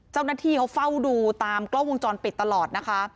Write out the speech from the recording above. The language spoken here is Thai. เจ้าหน้าที่เขาเฝ้าดูตามกล้องวงจรปิดตลอดนะคะ